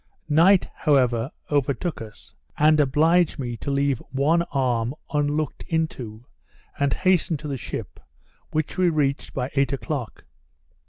Night, however, overtook us, and obliged me to leave one arm unlooked into, and hasten to the ship, which we reached by eight o'clock.